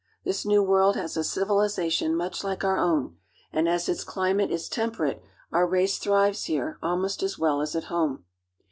This new world has a ^^kpivilization much Uke our own, and as its climate is tem ^^^Pperate our race thrives here almost as well as at home.